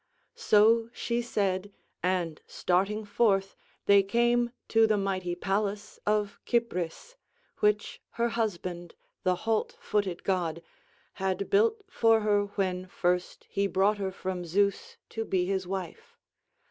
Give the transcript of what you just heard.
So she said, and starting forth they came to the mighty palace of Cypris, which her husband, the halt footed god, had built for her when first he brought her from Zeus to be his wife.